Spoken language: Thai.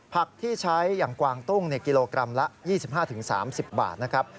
ผักที่ใช้อย่างกวางตุ้งกิโลกรัมละ๒๕๓๐บาทนะครับ